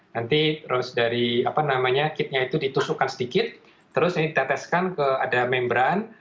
nanti dari kitnya itu ditusukkan sedikit terus ini kita teskan ke ada membran